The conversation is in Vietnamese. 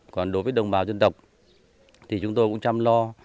còn đối với đồng bào dân tộc thì chúng tôi cũng chăm lo